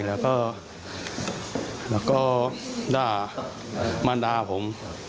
แล้วก็มั้นด่าผม